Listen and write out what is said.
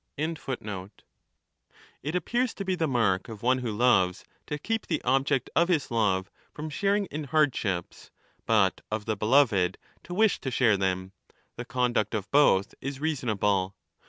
AR. ETH. E. 1245'' ETHICA EUDEMIA It appears to be the mark of one who loves to keep the 35 object of his love from sharing in hardships, but of the beloved to wish to share them ; the conduct of both is reasonable.